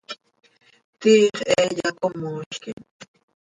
Tiix he yacómolquim.